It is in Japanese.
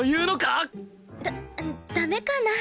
ダダメかな？